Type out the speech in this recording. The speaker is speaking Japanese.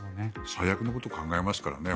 最悪のことを考えますからね。